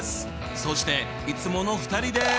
そしていつもの２人です。